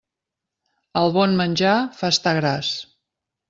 El bon menjar fa estar gras.